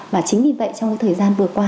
và chính vì vậy trong thời gian vừa qua